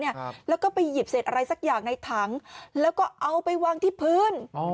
เหมือนแกจะเอาอะไรมาขวางพืช